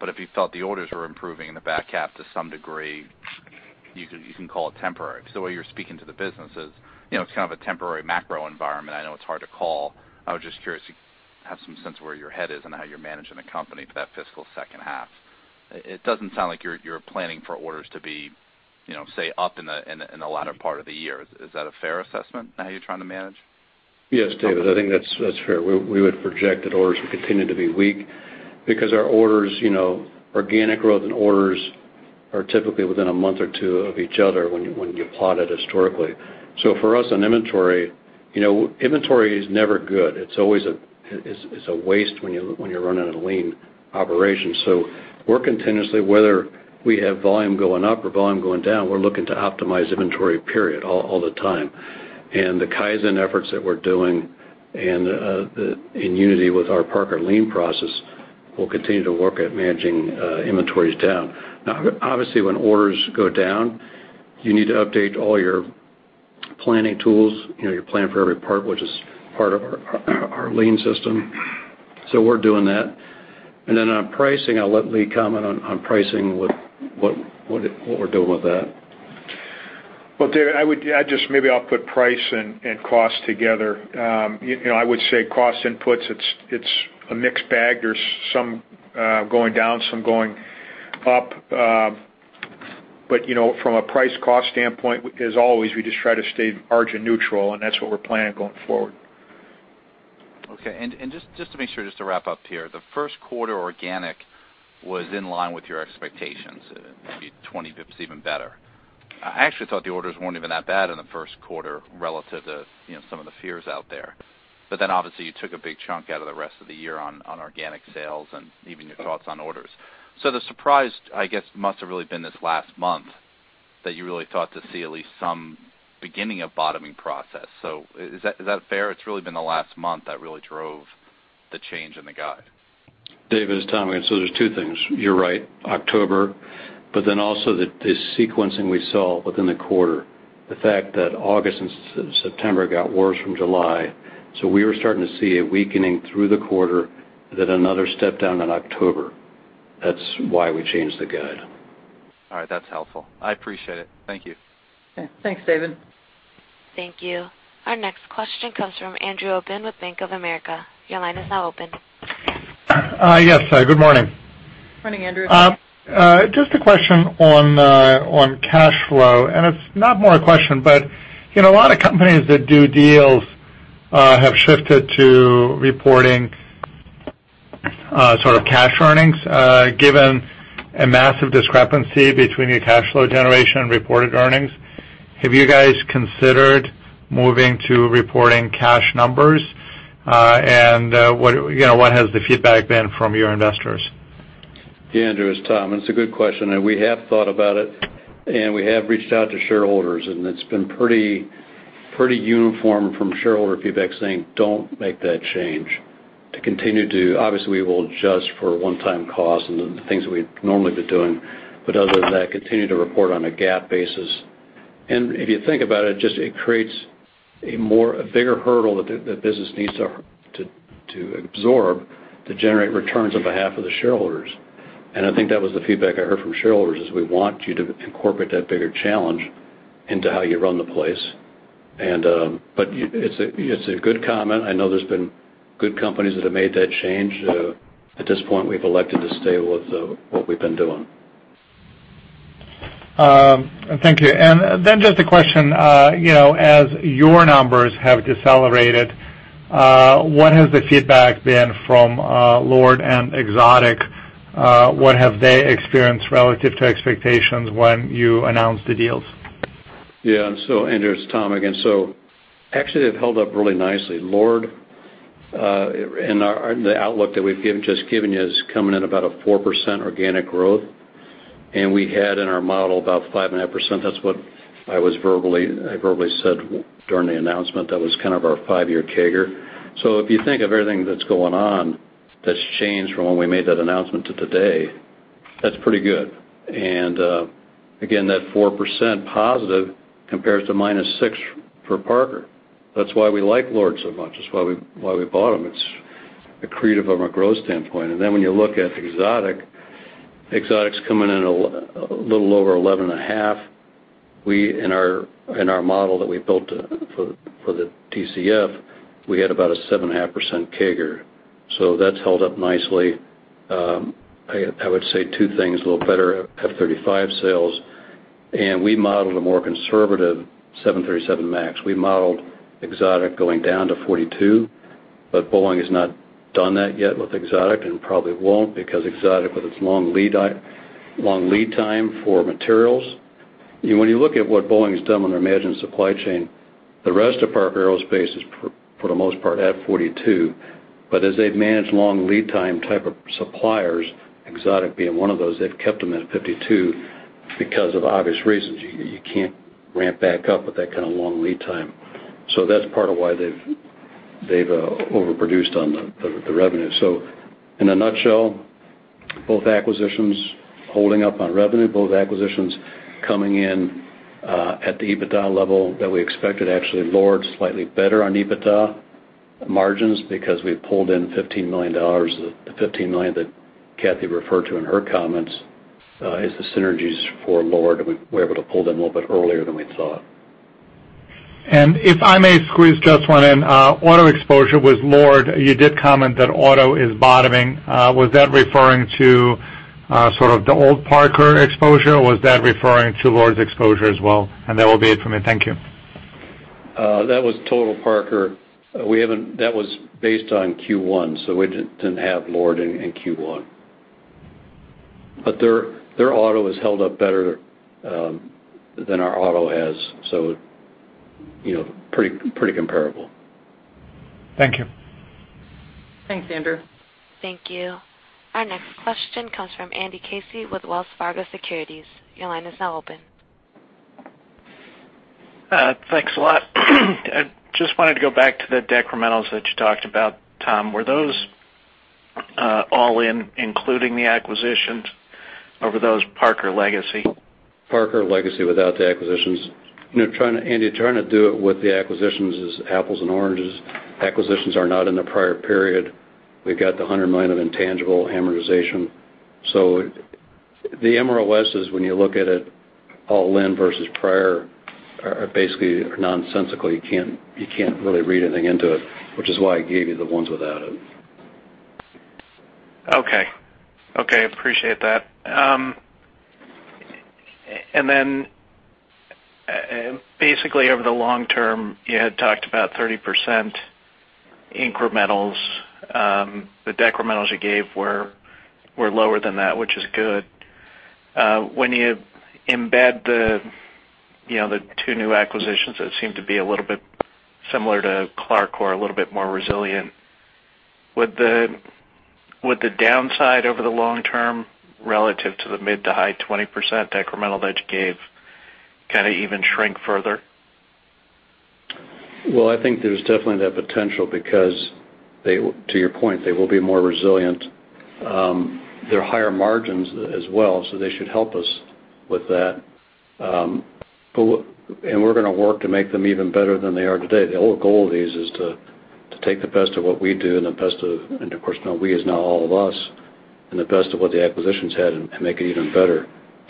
If you felt the orders were improving in the back half to some degree, you can call it temporary. Because the way you're speaking to the business is, it's kind of a temporary macro environment. I know it's hard to call. I was just curious to have some sense of where your head is and how you're managing the company for that fiscal second half. It doesn't sound like you're planning for orders to be, say, up in the latter part of the year. Is that a fair assessment in how you're trying to manage? Yes, David, I think that's fair. We would project that orders would continue to be weak because our orders, organic growth and orders are typically within a month or two of each other when you plot it historically. For us on inventory is never good. It's a waste when you're running a lean operation. We're continuously, whether we have volume going up or volume going down, we're looking to optimize inventory, period, all the time. The Kaizen efforts that we're doing in unity with our Parker-Hannifin lean process, will continue to work at managing inventories down. Now, obviously, when orders go down, you need to update all your planning tools, your Plan for Every Part, which is part of our lean system. We're doing that. Then on pricing, I'll let Lee comment on pricing, what we're doing with that. Well, David, maybe I'll put price and cost together. I would say cost inputs, it's a mixed bag. There's some going down, some going up. From a price cost standpoint, as always, we just try to stay margin neutral, and that's what we're planning going forward. Okay. Just to make sure, just to wrap up here. The first quarter organic was in line with your expectations, maybe 20 bps even better. I actually thought the orders weren't even that bad in the first quarter relative to some of the fears out there. Obviously, you took a big chunk out of the rest of the year on organic sales and even your thoughts on orders. The surprise, I guess, must have really been this last month that you really thought to see at least some beginning of bottoming process. Is that fair? It's really been the last month that really drove the change in the guide. David, it's Tom. There's two things. You're right, October, but then also the sequencing we saw within the quarter, the fact that August and September got worse from July. We were starting to see a weakening through the quarter, then another step down in October. That's why we changed the guide. All right. That's helpful. I appreciate it. Thank you. Okay. Thanks, David. Thank you. Our next question comes from Andrew Obin with Bank of America. Your line is now open. Yes. Good morning. Morning, Andrew. Just a question on cash flow, and it's not more a question, but a lot of companies that do deals have shifted to reporting sort of cash earnings, given a massive discrepancy between your cash flow generation and reported earnings. Have you guys considered moving to reporting cash numbers? What has the feedback been from your investors? Yeah, Andrew, it's Tom. It's a good question, and we have thought about it, and we have reached out to shareholders, and it's been pretty uniform from shareholder feedback saying, "Don't make that change." To continue to, obviously, we will adjust for one-time costs and the things that we'd normally be doing, but other than that, continue to report on a GAAP basis. If you think about it creates a bigger hurdle that the business needs to absorb to generate returns on behalf of the shareholders. I think that was the feedback I heard from shareholders, is we want you to incorporate that bigger challenge into how you run the place. It's a good comment. I know there's been good companies that have made that change. At this point, we've elected to stay with what we've been doing. Thank you. Just a question, as your numbers have decelerated, what has the feedback been from LORD and Exotic? What have they experienced relative to expectations when you announced the deals? Andrew, it's Tom again. Actually, they've held up really nicely. LORD, the outlook that we've just given you is coming in about a 4% organic growth. We had in our model about 5.5%. That's what I verbally said during the announcement. That was kind of our 5-year CAGR. If you think of everything that's going on, that's changed from when we made that announcement to today, that's pretty good. Again, that 4% positive compares to -6% for Parker. That's why we like LORD so much. That's why we bought them. It's accretive from a growth standpoint. When you look at Exotic's coming in a little over 11.5%. In our model that we built for the DCF, we had about a 7.5% CAGR. That's held up nicely. I would say two things, a little better F-35 sales, and we modeled a more conservative 737 MAX. We modeled Exotic going down to 42, but Boeing has not done that yet with Exotic and probably won't because Exotic, with its long lead time for materials. When you look at what Boeing's done when they're managing supply chain, the rest of Parker Aerospace is, for the most part, at 42. As they've managed long lead time type of suppliers, Exotic being one of those, they've kept them at 52. Because of obvious reasons, you can't ramp back up with that kind of long lead time. That's part of why they've overproduced on the revenue. In a nutshell, both acquisitions holding up on revenue, both acquisitions coming in at the EBITDA level that we expected. Actually, LORD slightly better on EBITDA margins because we pulled in $15 million. The $15 million that Kathy referred to in her comments is the synergies for LORD. We were able to pull them a little bit earlier than we thought. If I may squeeze just one in. Auto exposure with LORD, you did comment that auto is bottoming. Was that referring to sort of the old Parker exposure, or was that referring to LORD's exposure as well? That will be it for me. Thank you. That was total Parker. That was based on Q1, so we didn't have LORD in Q1. Their auto has held up better than our auto has, so pretty comparable. Thank you. Thanks, Andrew. Thank you. Our next question comes from Andrew Casey with Wells Fargo Securities. Your line is now open. Thanks a lot. Wanted to go back to the decrementals that you talked about, Tom. Were those all in, including the acquisitions over those Parker-Hannifin legacy? Parker-Hannifin legacy without the acquisitions. Andy, trying to do it with the acquisitions is apples and oranges. Acquisitions are not in the prior period. We've got the $100 million of intangible amortization. The margins is, when you look at it all in versus prior, are basically nonsensical. You can't really read anything into it, which is why I gave you the ones without it. Okay. Okay, appreciate that. Basically, over the long term, you had talked about 30% incrementals. The decrementals you gave were lower than that, which is good. When you embed the two new acquisitions, that seem to be a little bit similar to Clarcor or a little bit more resilient. Would the downside over the long term relative to the mid to high 20% decremental that you gave kind of even shrink further? Well, I think there's definitely that potential because, to your point, they will be more resilient. They're higher margins as well, so they should help us with that. We're going to work to make them even better than they are today. The whole goal of these is to take the best of what we do and the best of And of course, now we is now all of us, and the best of what the acquisitions had and make it even better.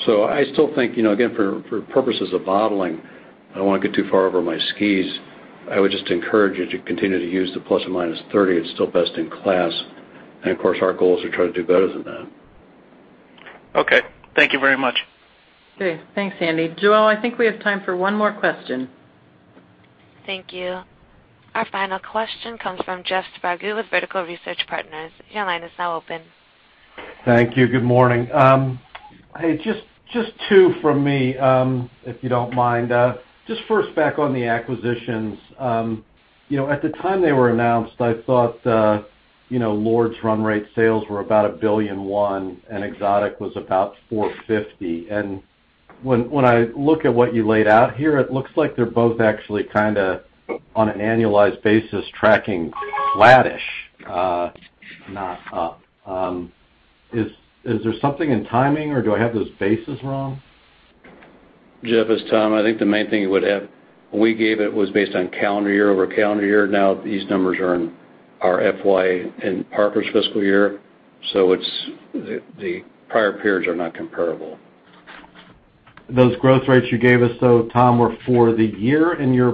I still think, again, for purposes of modeling, I don't want to get too far over my skis. I would just encourage you to continue to use the ±30. It's still best in class. Of course, our goal is to try to do better than that. Okay. Thank you very much. Okay. Thanks, Andy. Joelle, I think we have time for one more question. Thank you. Our final question comes from Jeff Sprague with Vertical Research Partners. Your line is now open. Thank you. Good morning. Hey, just two from me, if you don't mind. Just first back on the acquisitions. At the time they were announced, I thought LORD's run rate sales were about $1.1 billion, and Exotic was about $450 million. When I look at what you laid out here, it looks like they're both actually kind of on an annualized basis, tracking flattish, not up. Is there something in timing, or do I have those bases wrong? Jeff, it's Tom. I think the main thing We gave it was based on calendar year-over-calendar year. Now these numbers are in our FY and Parker's fiscal year, so the prior periods are not comparable. Those growth rates you gave us, though, Tom, were for the year in your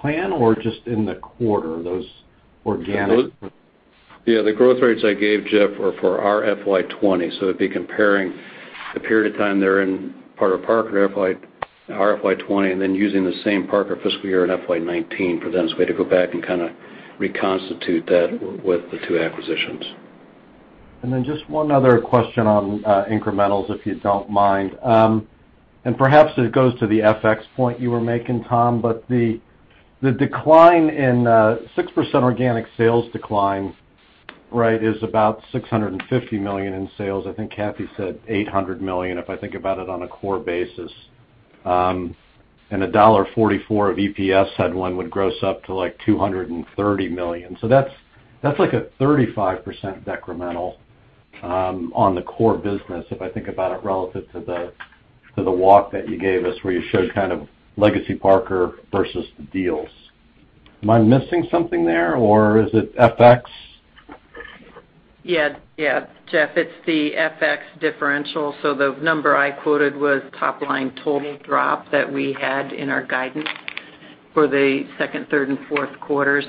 plan or just in the quarter, those organic-? Yeah, the growth rates I gave, Jeff, were for our FY 2020, so it'd be comparing the period of time they're in part of Parker FY 2020, and then using the same Parker fiscal year in FY 2019 for them, so we had to go back and kind of reconstitute that with the two acquisitions. Just one other question on incrementals, if you don't mind. Perhaps it goes to the FX point you were making, Tom, but the decline in 6% organic sales decline is about $650 million in sales. I think Kathy said $800 million, if I think about it on a core basis. $1.44 of EPS headwind would gross up to like $230 million. That's like a 35% decremental on the core business, if I think about it relative to the walk that you gave us where you showed kind of legacy Parker-Hannifin versus the deals. Am I missing something there or is it FX? Yeah. Jeff, it's the FX differential. The number I quoted was top line total drop that we had in our guidance for the second, third, and fourth quarters.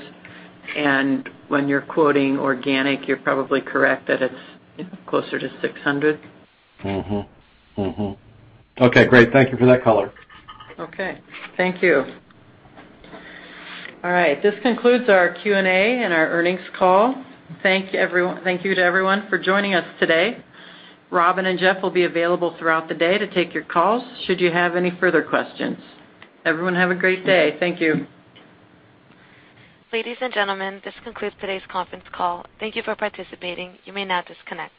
When you're quoting organic, you're probably correct that it's closer to $600. Okay, great. Thank you for that color. Okay. Thank you. All right. This concludes our Q&A and our earnings call. Thank you to everyone for joining us today. Robin and Jeff will be available throughout the day to take your calls should you have any further questions. Everyone have a great day. Thank you. Ladies and gentlemen, this concludes today's conference call. Thank you for participating. You may now disconnect.